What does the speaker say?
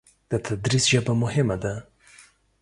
د تدریس ژبه مهمه ده.